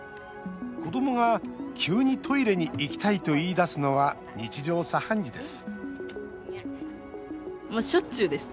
子どもが急にトイレに行きたいと言いだすのは日常茶飯事です